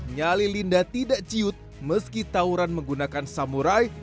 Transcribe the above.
nyali linda tidak ciut meski tawuran menggunakan samurai